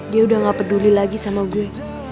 dia udah gak peduli lagi sama gue